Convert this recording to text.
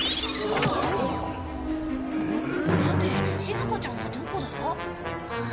さてしずかちゃんはどこだ？